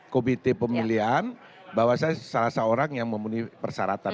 komite pemilihan bahwa saya salah seorang yang memenuhi persyaratan